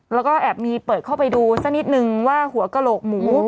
แล้วก็แอบมีเปิดเข้าไปดูสักนิดนึงว่าหัวกระโหลกหมู